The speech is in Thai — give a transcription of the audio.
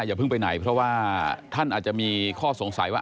อย่าเพิ่งไปไหนเพราะว่าท่านอาจจะมีข้อสงสัยว่า